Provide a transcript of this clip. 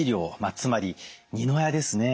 つまり二の矢ですね。